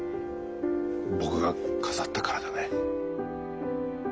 僕が飾ったからだね。